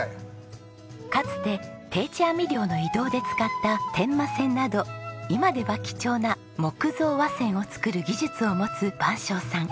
かつて定置網漁の移動で使った天馬船など今では貴重な木造和船を造る技術を持つ番匠さん。